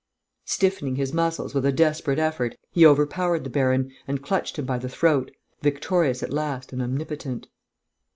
Stiffening his muscles with a desperate effort, he overpowered the baron and clutched him by the throat victorious at last and omnipotent.